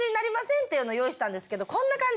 っていうのを用意したんですけどこんな感じ。